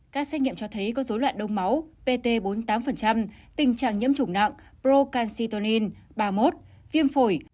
các xét nghiệm cho thấy có dối loạn đông máu pt bốn mươi tám tình trạng nhiễm chủng nặng prokaytonin ba mươi một viêm phổi